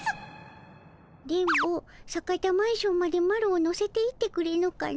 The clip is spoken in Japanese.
電ボ坂田マンションまでマロを乗せていってくれぬかの。